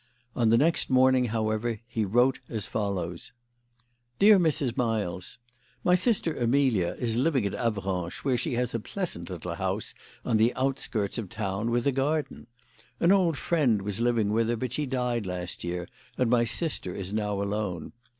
On the next morning, however, he wrote as follows :" DEAR MRS. MILES, My sister Amelia is living at Avranches, where she has a pleasant little house on the outskirts of the town, with a garden. An old friend was living with her, but she died last year, and my sister is now alone.